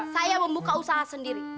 saya membuka usaha sendiri